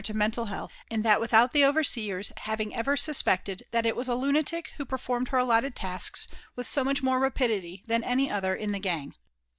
to mental health, and that without the overseers having ever suspected that it was a lunatic who performed her allotted tasks with so much more rapidity than any other in the gang.